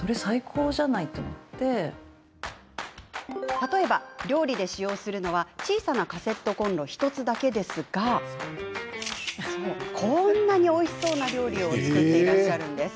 例えば、料理で使用するのは小さなカセットコンロ１つだけですがこんなにおいしそうな料理を作っているんです。